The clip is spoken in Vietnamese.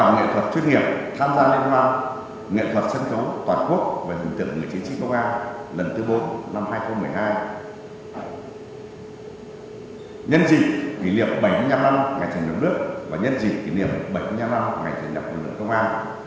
ngày thành nhập nước và nhân dị kỷ niệm bảy mươi năm ngày thành nhập lực lượng công an